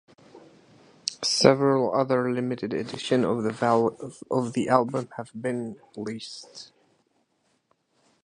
Several other limited editions of the album have been released.